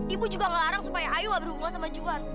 ibu juga ngelarang supaya ayu gak berhubungan sama dia